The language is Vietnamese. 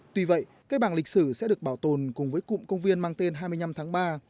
tuy vậy cây bàng lịch sử sẽ được bảo tồn cùng với cụm công viên mang tên hai mươi năm tháng ba